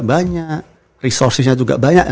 banyak resourcesnya juga banyak